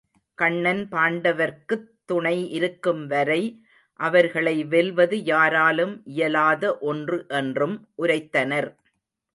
கண்ணன் பாண்டவர்க்குத் துணை இருக்கும் வரை அவர்களை வெல்வது யாராலும் இயலாத ஒன்று என்றும் உரைத்தனர்.